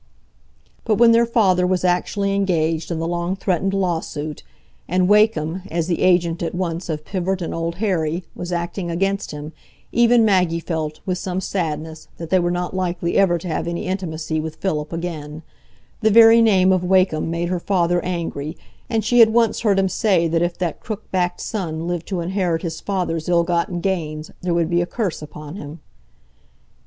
But when their father was actually engaged in the long threatened lawsuit, and Wakem, as the agent at once of Pivart and Old Harry, was acting against him, even Maggie felt, with some sadness, that they were not likely ever to have any intimacy with Philip again; the very name of Wakem made her father angry, and she had once heard him say that if that crook backed son lived to inherit his father's ill gotten gains, there would be a curse upon him.